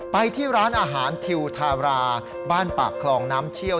ไปที่ร้านอาหารทิวทาราบ้านปากคลองน้ำเชี่ยว